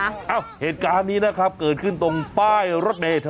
เอ้าเหตุการณ์นี้นะครับเกิดขึ้นตรงป้ายรถเมย์เธอ